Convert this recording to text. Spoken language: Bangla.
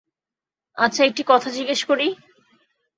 আচ্ছা একটা কথা জিজ্ঞেস করি।